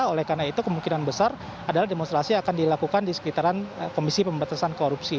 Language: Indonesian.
oleh karena itu kemungkinan besar adalah demonstrasi akan dilakukan di sekitaran komisi pemberantasan korupsi